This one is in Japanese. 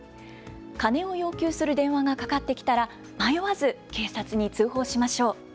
金を要求する電話がかかってきたら迷わず警察に通報しましょう。